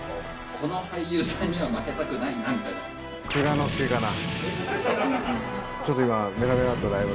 この俳優さんには負けたくないなみたいな。